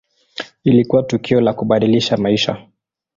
Ilikuwa tukio la kubadilisha maisha.